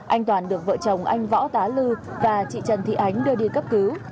anh toàn được vợ chồng anh võ tá lư và chị trần thị ánh đưa đi cấp cứu